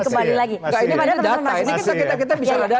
ini pada teman teman mahasiswa